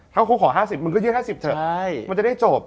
ถ้าครูขอ๕๐มึงก็ยื่น๕๐เถอะมันจะได้จบ